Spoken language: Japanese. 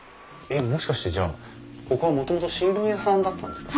えっもしかしてじゃあここはもともと新聞屋さんだったんですか？